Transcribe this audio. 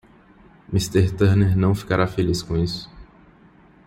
Mister Turner não ficará feliz com isso.